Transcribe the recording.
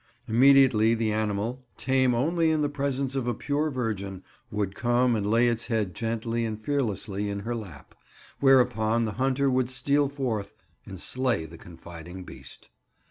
Immediately the animal, tame only in the presence of a pure virgin, would come and lay its head gently and fearlessly in her lap; whereupon the hunter would steal forth and slay the confiding beast.